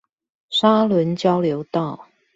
沙崙交流道